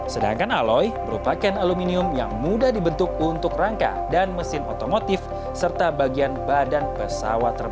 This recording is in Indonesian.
sedangkan aloy merupakan aluminium yang mudah dibentuk untuk rangka dan mesin otomotif serta bagian badan pesawat terbang